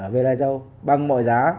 về lai châu bằng mọi giá